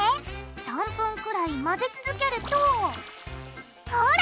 ３分くらい混ぜ続けるとほら！